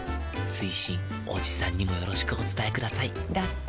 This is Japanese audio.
追伸おじさんにもよろしくお伝えくださいだって。